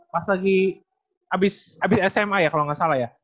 pas lagi abis sma ya kalau gak salah ya